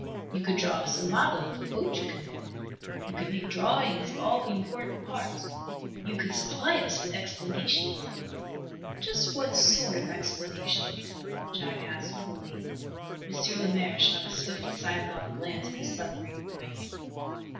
"You could draw us a model of the boat you command. You could make drawings of all the important parts. You could supply us with explanations." "Just what sort of explanations?" Jack asked, coolly. M. Lemaire shot a swift, sidelong glance at the submarine boy.